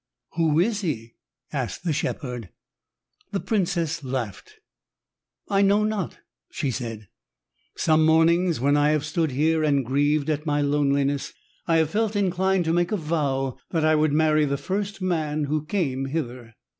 "Who is he?" asked the shepherd. The princess laughed. "I know not," she said. "Some mornings when I have stood here and grieved at my loneliness, I have felt inclined to make a vow that I would marry the first man who came hither."